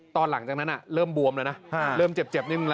ตอนหลังจากนั้นเริ่มบวมแล้วนะเริ่มเจ็บนิดหนึ่งละ